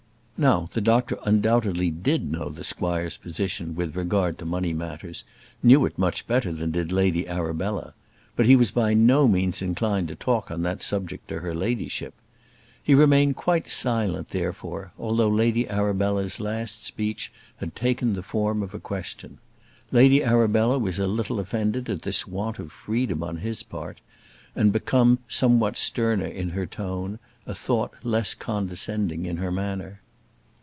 Now the doctor undoubtedly did know the squire's position with regard to money matters, knew it much better than did Lady Arabella; but he was by no means inclined to talk on that subject to her ladyship. He remained quite silent, therefore, although Lady Arabella's last speech had taken the form of a question. Lady Arabella was a little offended at this want of freedom on his part, and become somewhat sterner in her tone a thought less condescending in her manner.